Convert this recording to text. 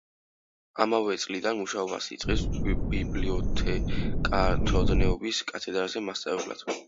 ამავე წლიდან მუშაობას იწყებს ბიბლიოთეკათმცოდნეობის კათედრაზე მასწავლებლად.